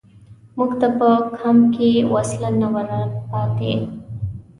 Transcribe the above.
موږ ته په کمپ کې وسله نه وه را پاتې.